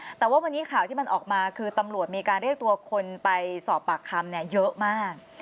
แต่ว่าวันนี้ข่าวที่มันออกมาคือตำรวจมีการเรียกตัวคนไปสอบปากคำเยอะมาก